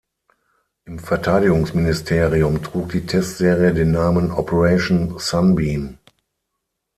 Im Verteidigungsministerium trug die Testserie den Namen "Operation Sunbeam".